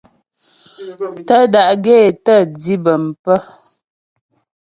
Tə́́ da'gaə́ é tə́ dǐ bəm pə̀.